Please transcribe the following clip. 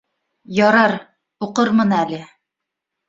Ярар, уҡырмын әле